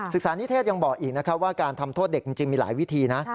ศึกษานิเทศยังบอกอีกนะครับว่าการทำโทษเด็กจริงมีหลายวิธีนะ